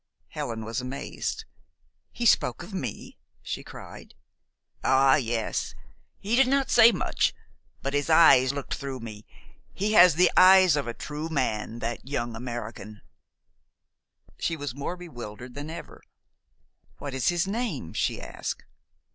Helen was amazed. "He spoke of me?" she cried. "Ah, yes. He did not say much, but his eyes looked through me. He has the eyes of a true man, that young American." She was more bewildered than ever. "What is his name?" she asked.